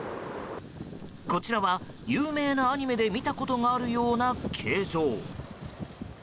こちらは有名なアニメで見たことがあるような形状。